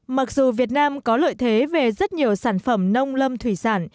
mặc dù việt nam có lợi thế về rất nhiều sản phẩm nông lâm thủy sản